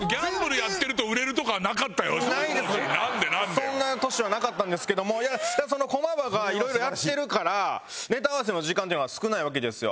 そんな年はなかったんですけども駒場が色々やってるからネタ合わせの時間っていうのが少ないわけですよ。